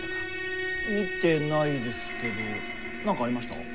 見てないですけど何かありました？